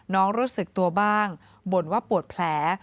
รู้สึกตัวบ้างบ่นว่าปวดแผล